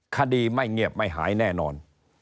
คดีไม่เงียบไม่หายแน่นอน